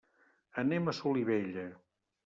Anem a Solivella.